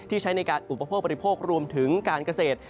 ใช้ในการอุปโภคบริโภครวมถึงการเกษตร